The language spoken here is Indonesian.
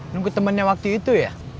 nunggu temannya waktu itu ya